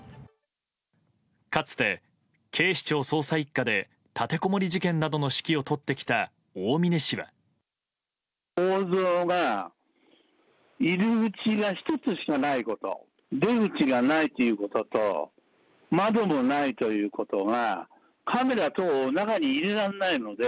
かつて警視庁捜査１課で立てこもり事件などの指揮を執ってきた、大峯氏は。